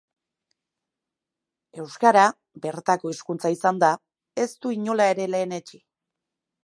Euskara, bertako hizkuntza izanda, ez du inola ere lehenetsi.